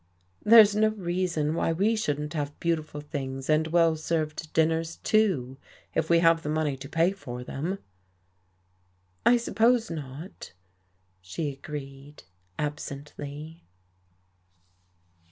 "There's no reason why we shouldn't have beautiful things and well served dinners, too, if we have the money to pay for them." "I suppose not," she agreed, absently.